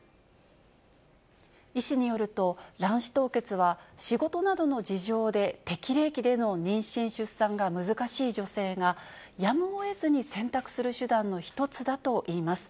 医師によると、卵子凍結は仕事などの事情で適齢期での妊娠・出産が難しい女性が、やむをえずに選択する手段の一つだといいます。